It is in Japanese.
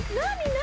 何！？